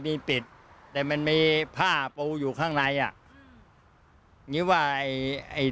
ไม่รู้แล้วมันมีกล่องสี่เหลี่ยมฝาไม่มีติด